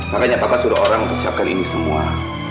makanya papa suruh orang untuk siapkan ini semua